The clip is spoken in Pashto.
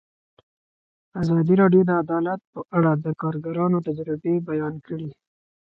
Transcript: ازادي راډیو د عدالت په اړه د کارګرانو تجربې بیان کړي.